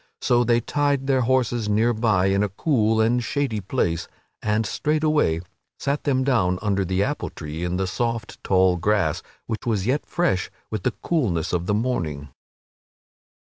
So they tied their horses near by in a cool and shady place and straightway sat them down under the apple tree in the soft tall grass, which was yet fresh with the coolness of the morning.